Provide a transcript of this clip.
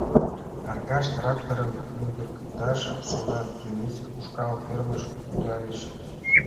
Аркаш тракторым мӱгырыкташ, села тӱрысӧ ушкал фермыш кудальыч.